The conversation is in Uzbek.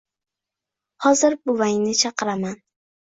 Hozir buvangni chaqiraman.